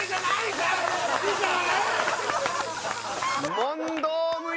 問答無用！